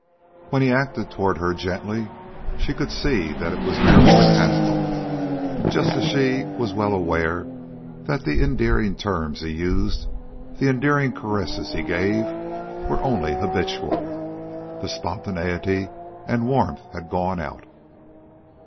When he acted toward her gently, she could see that it was merely mechanical, just as she was well aware that the endearing terms he used, the endearing caresses he gave, were only habitual. The spontaneity and warmth had gone out.